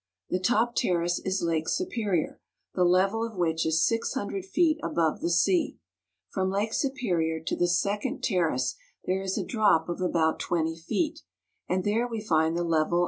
The top terrace is Lake Su perior, the level of which is six hundred feet above the sea. From Lake Superior to the second terrace there is a drop of about twenty feet, and there we find the level of Lakes ^^:3g^^^.